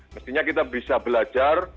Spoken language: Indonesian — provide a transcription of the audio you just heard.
mestinya kita bisa belajar